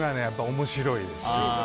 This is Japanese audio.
やっぱり面白いですし。